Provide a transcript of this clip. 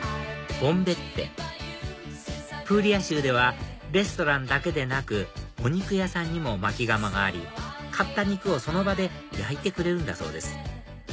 ボンベッテプーリア州ではレストランだけでなくお肉屋さんにも薪窯があり買った肉をその場で焼いてくれるんだそうです